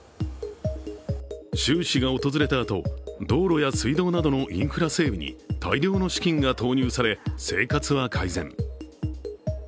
習氏が訪れたあと、道路や水道などのインフラ整備に大量の資金が投入され生活は改善。